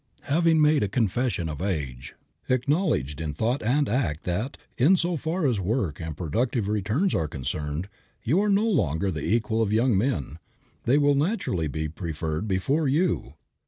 Having made a confession of age, acknowledged in thought and act that, in so far as work and productive returns are concerned, you are no longer the equal of young men, they will naturally be preferred before you.